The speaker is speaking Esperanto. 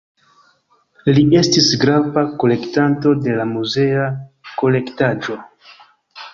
Li estis grava kolektanto de la muzea kolektaĵo.